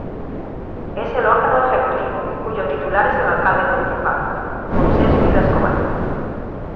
Es el órgano ejecutivo, cuyo titular es el alcalde municipal: Moises Vila Escobar.